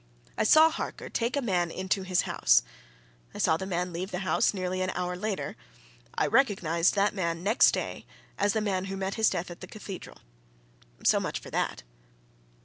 I saw Harker take a man into his house: I saw the man leave the house nearly an hour later: I recognized that man next day as the man who met his death at the Cathedral. So much for that."